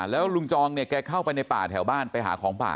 แล้วลุงจองเนี่ยแกเข้าไปในป่าแถวบ้านไปหาของป่า